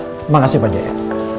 terima kasih pak jaya